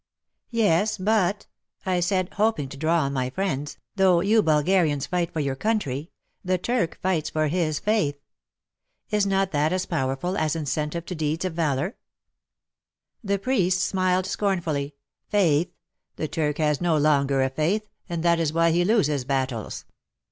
''Yes, but," I said, hoping to draw on my friends, ''though you Bulgarians fight for your country, the Turk fights {or \i\s faith. Is not that as powerful an incentive to deeds of valour ?" 92 WAR AND WOMEN The priest smiled scornfully. Faith ? The Turk has no longer a faith, — and that is why he loses battles.